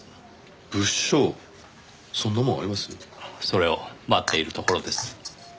それを待っているところです。